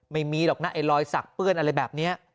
ไม่มีหรอกนะไอ้รอยสักเปื้อนอะไรแบบนี้